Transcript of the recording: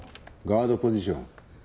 ガードポジション。